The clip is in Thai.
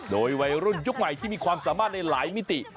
โดยวัยรุ่นยุคใหม่ที่มีความสามารถในหลายมิติ